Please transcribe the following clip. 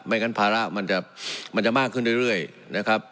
งั้นภาระมันจะมากขึ้นเรื่อยนะครับ